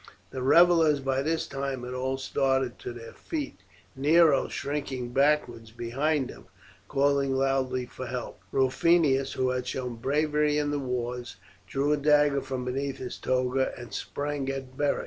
The revellers by this time had all started to their feet. Nero, shrinking backwards behind them, called loudly for help. Rufinus, who had shown bravery in the wars, drew a dagger from beneath his toga and sprang at Beric.